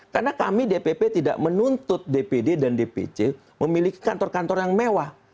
karena kami dpp tidak menuntut dpd dan dpc memiliki kantor kantor yang mewah